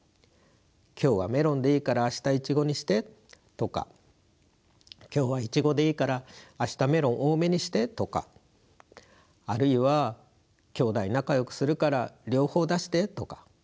今日はメロンでいいから明日イチゴにしてとか今日はイチゴでいいから明日メロン多めにしてとかあるいは兄弟仲よくするから両方出してとか。